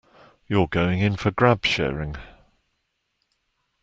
You're going in for grab sharing.